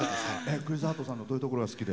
クリス・ハートさんのどういうところが好きで？